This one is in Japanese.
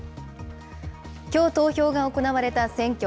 きょう投票が行われた選挙。